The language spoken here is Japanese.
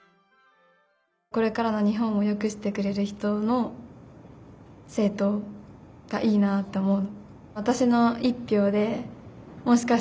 これからの日本をよくしてくれる人の政とうがいいなと思う。